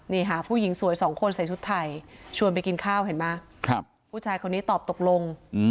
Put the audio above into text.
นี่ค่ะผู้หญิงสวยสองคนใส่ชุดไทยชวนไปกินข้าวเห็นไหมผู้ชายคนนี้ตอบตกลง